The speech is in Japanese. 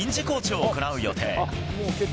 コーチを行う予定。